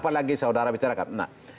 kenapa lagi saudara bicarakan